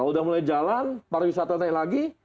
nah udah mulai jalan para wisatanya lagi